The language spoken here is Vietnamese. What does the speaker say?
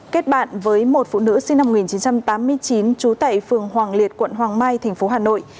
kết bạn với một phụ nữ sinh năm một nghìn chín trăm tám mươi chín trú tại phường hoàng liệt quận hoàng mai tp hà nội